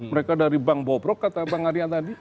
mereka dari bank bobrok kata bang arya tadi